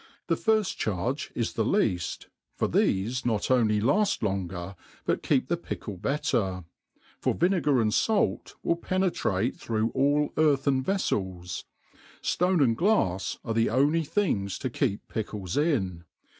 < The firll charge is the lead; for tbefe not only lad longer, but keep the pkkle better ; for vi negar and fait will penetrate through all earthen vefieis ; f^one and glrfs are the only things to keep pickles in.